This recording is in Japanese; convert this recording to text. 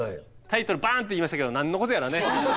タイトルバンって言いましたけど何のことやらね？